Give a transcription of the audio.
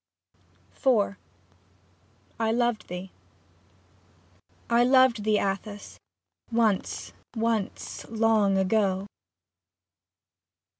IV I LOVED THEE I LOVED thee, Atthis, once, once long ago.